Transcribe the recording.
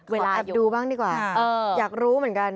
แอบดูบ้างดีกว่าอยากรู้เหมือนกัน